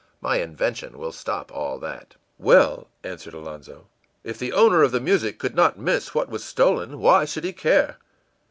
My invention will stop all that.î ìWell,î answered Alonzo, ìif the owner of the music could not miss what was stolen, why should he care?